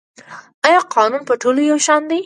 آیا قانون په ټولو یو شان دی؟